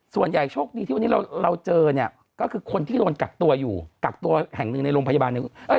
โชคดีที่วันนี้เราเจอเนี่ยก็คือคนที่โดนกักตัวอยู่กักตัวแห่งหนึ่งในโรงพยาบาลหนึ่ง